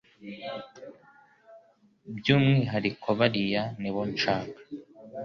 byumwihariko bariya nibo nshaka